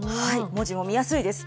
文字も見やすいです。